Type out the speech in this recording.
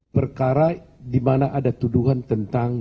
perkara di mana ada tuduhan tentang